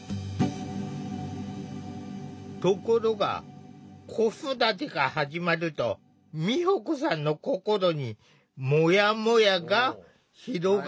ところが子育てが始まると美保子さんの心にもやもやが広がり始めた。